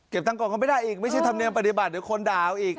เก็บตังค์ก็ไม่ได้อีกไม่ใช่ธรรมเนียมปฏิบัติหรือคนดาวอีก